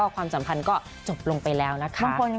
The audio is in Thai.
ความสัมพันธ์ก็จบลงไปแล้วนะคะ